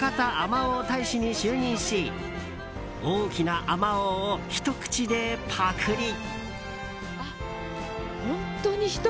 まおう大使に就任し大きなあまおうをひと口でパクリ。